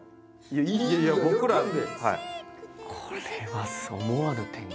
これは思わぬ展開。